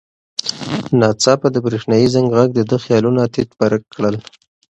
ناڅاپه د برېښنایي زنګ غږ د ده خیالونه تیت پرک کړل.